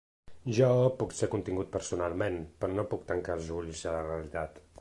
Jo puc ser contingut personalment, però no puc tancar els ulls a la realitat.